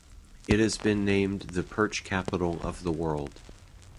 It has been named the perch capital of the world.